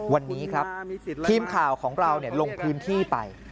วันนี้ครับทีมข่าวของเราลงพื้นที่ไป